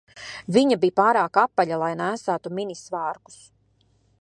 Viņa bija pārāk apaļa, lai nēsātu mini svārkus